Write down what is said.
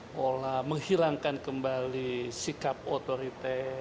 pola menghilangkan kembali sikap otoriter